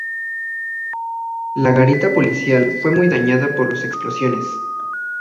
La garita policial fue muy dañada por las explosiones.